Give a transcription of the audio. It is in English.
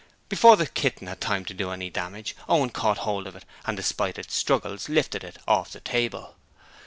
Before the kitten had time to do any damage, Owen caught hold of it and, despite its struggles, lifted it off the table.